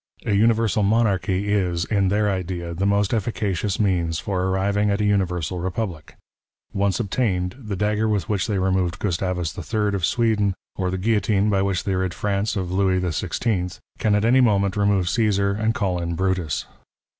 A universal monarchy is, in their idea, the most efficacious means for arriving at a universal republic. Once obtained, the dagger with which they removed Gustavus III. of Sweden, or the guillotine by Avhich they rid France of Louis XVI., can at any moment remove Ceesar and call in Brutus.